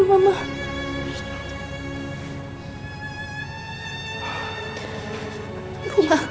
rumah kami adalah tempat kamu buat pulang